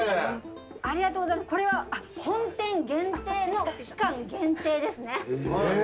これは本店限定の期間限定ですね。